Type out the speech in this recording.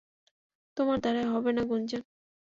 তোমার দ্বারায় হবে না, গুঞ্জন!